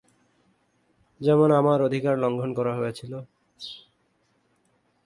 যেমন আমার অধিকার লঙ্ঘন করা হয়েছিল।